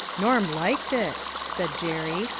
" Norm liked it," said Jerry.